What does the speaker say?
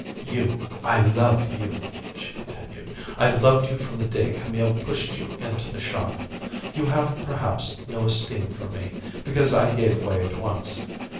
"You, I love you," she continued. "I loved you from the day Camille pushed you into the shop. You have perhaps no esteem for me, because I gave way at once.